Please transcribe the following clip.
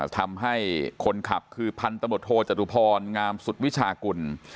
ทำให้คนขับคือพันตำรวจโทจตุพรงามสุดวิชากุล